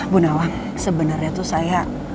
bunawang sebenarnya tuh saya